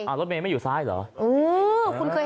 โปรดติดตามต่อไป